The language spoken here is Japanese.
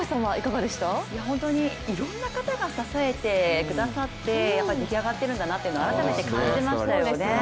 いろんな方が支えてくださって出来上がってるんだなというのを改めて感じましたよね。